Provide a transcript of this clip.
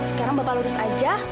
sekarang bapak lurus aja